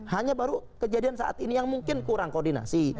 hanya baru kejadian saat ini yang mungkin kurang koordinasi